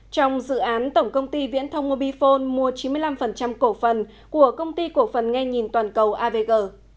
trong dự án tổng công ty viễn thông mobifone mua chín mươi năm cổ phần của công ty cổ phần nghe nhìn toàn cầu avg